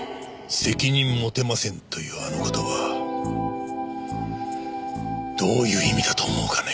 責任持てませんというあの言葉どういう意味だと思うかね？